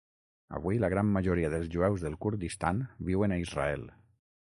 Avui, la gran majoria dels jueus del Kurdistan viuen a Israel.